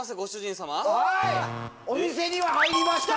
お店には入りました。